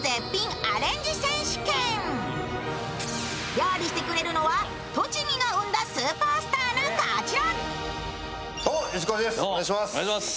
料理してくれるのは、栃木が生んだスーパースターのこちら！